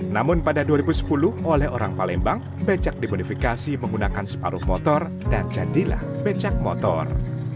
namun pada dua ribu sepuluh oleh orang palembang becak dimodifikasi menggunakan separuh motor dan jadilah becak motor